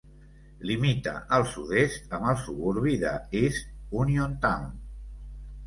Limita al sud-est amb el suburbi de East Uniontown.